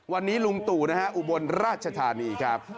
วันนี้ลุงตู่นะฮะอุบลราชธานีครับ